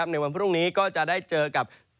ในวันพรุ่งนี้ก็จะได้เจอกับ